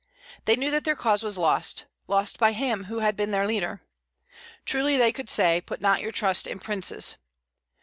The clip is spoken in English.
They knew that their cause was lost, lost by him who had been their leader. Truly could they say, "Put not your trust in princes."